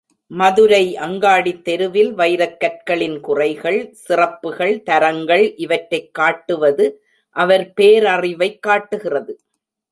மதுரை அங்காடித் தெருவில் வைரக் கற்களின் குறைகள், சிறப்புகள், தரங்கள் இவற்றைக் காட்டுவது அவர் பேரறிவைக் காட்டுகிறது.